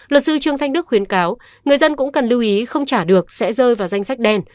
luật sư trương thanh đức khuyến cáo người dân cũng cần lưu ý không trả được sẽ rơi vào danh sách đen